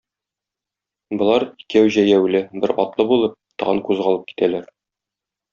Болар, икәү җәяүле, бер атлы булып, тагын кузгалып китәләр.